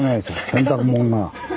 洗濯物が。